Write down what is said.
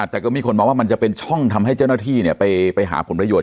แต่ก็มีคนมองว่ามันจะเป็นช่องทำให้เจ้าหน้าที่ไปหาผลประโยชน